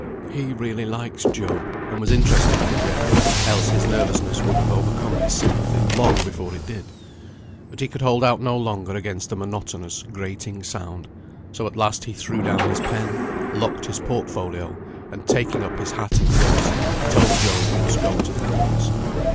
He really liked Job, and was interested for Jem, else his nervousness would have overcome his sympathy long before it did. But he could hold out no longer against the monotonous, grating sound; so at last he threw down his pen, locked his portfolio, and taking up his hat and gloves, he told Job he must go to the courts.